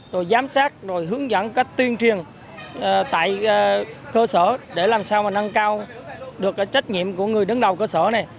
rồi giám sát rồi hướng dẫn cách tuyên truyền tại cơ sở để làm sao mà nâng cao được cái trách nhiệm của người đứng đầu cơ sở này